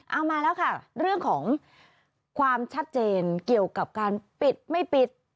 เอามาแล้วค่ะเรื่องของความชัดเจนเกี่ยวกับการปิดไม่ปิด